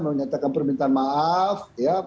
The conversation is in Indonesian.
menyatakan permintaan maaf